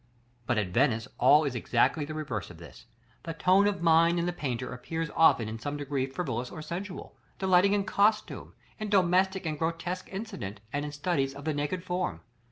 But at Venice, all is exactly the reverse of this. The tone of mind in the painter appears often in some degree frivolous or sensual; delighting in costume, in domestic and grotesque incident, and in studies of the naked form.